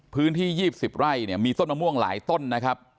พื้นที่๒๐ไร่เนี่ยมีต้นมะม่วงหลายต้นนะครับ